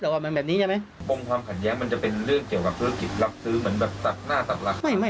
ก็เลยต้องรีบไปแจ้งให้ตรวจสอบคือตอนนี้ครอบครัวรู้สึกไม่ไกล